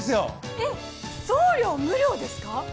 えっ送料無料ですか？